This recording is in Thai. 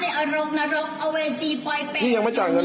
ในเอาเวอร์จีปล่อยเป็นเดี๋ยวนี้ค่ะช่วยตัวเองหน่อยสิค่ะ